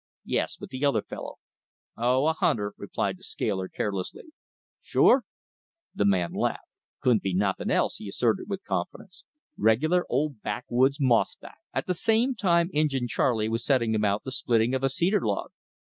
"Yes, but the other fellow." "Oh, a hunter," replied the scaler carelessly. "Sure?" The man laughed. "Couldn't be nothin' else," he asserted with confidence. "Regular old backwoods mossback." At the same time Injin Charley was setting about the splitting of a cedar log.